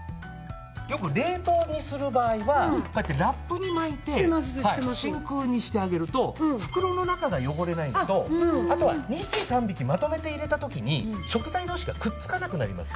よく冷凍にする場合はこうやってラップに巻いて真空にしてあげると袋の中が汚れないのとあとは２匹３匹まとめて入れた時に食材同士がくっつかなくなります。